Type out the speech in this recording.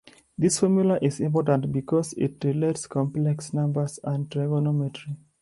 This formula is important because it relates complex numbers and trigonometry.